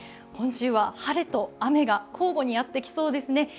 今週は晴れと雨が交互にやってきそうですね。